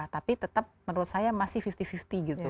tapi tetap menurut saya masih lima puluh lima puluh gitu